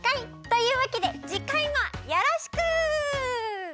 というわけでじかいもよろしく！